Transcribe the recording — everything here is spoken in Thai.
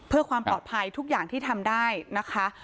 เพื่อความปลอดภัยทุกอย่างที่ทำได้นะคะ